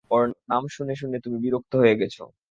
ওর নাম শুনে শুনে তুমি বিরক্ত হয়ে গেছ।